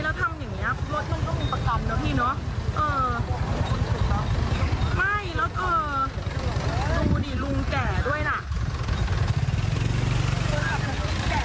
รถมันก็มันประกำเนอะพี่เนอะเอ่อไม่แล้วก็ดูดิลุงแก่ด้วยน่ะ